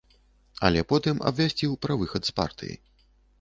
Але потым абвясціў пра выхад з партыі.